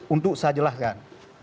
itu saya jelaskan